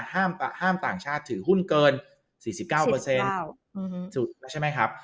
ห้ามต่างชาติถือหุ้นเกิน๔๙แล้วใช่ไหมครับ